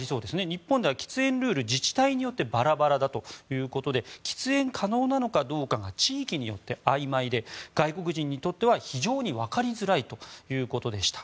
日本では喫煙ルール自治体によってバラバラだということで喫煙可能なのかどうかが地域によってあいまいで外国人にとって非常にわかりづらいということでした。